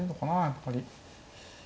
やっぱり。